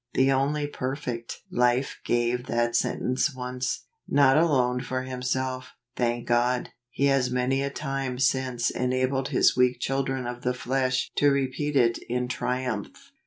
The only perfect Life gave that sentence once, not alone for Himself; thank God, He has many a time since enabled His weak chil¬ dren of the flesh to repeat it in triumph.